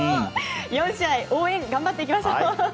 ４試合応援頑張っていきましょう。